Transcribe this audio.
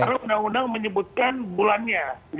karena undang undang menyebutkan bulannya